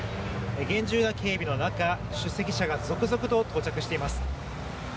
厳重な警備の中出席者が続々と到着しています。